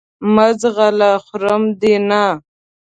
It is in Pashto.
مه ځغله خورم دې نه !